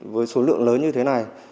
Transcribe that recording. với số lượng lớn như thế này